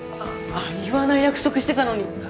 言わない約束してたのに！